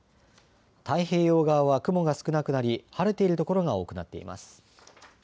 太平洋側は雲が少なくなり晴れている所が多くなっています。